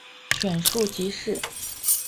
选庶吉士。